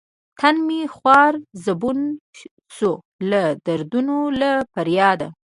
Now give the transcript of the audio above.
تن مې خوار زبون شو لۀ دردونو له فرياده